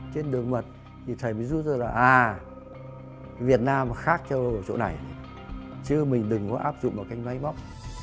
trên đường mật thì thầy mới rút ra là à việt nam khác cho chỗ này chứ mình đừng có áp dụng vào cách máy móc